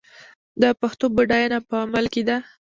د پښتو بډاینه په عمل کې ده.